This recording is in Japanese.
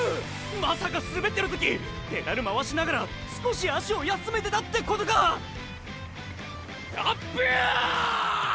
まさか滑ってる時ペダル回しながら少し足を休めてたってことか⁉アッブァァァ！！